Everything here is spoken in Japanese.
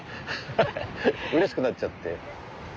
うれしくなっちゃって。